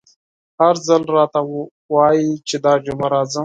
هر ځل راته وايي چې دا جمعه راځم….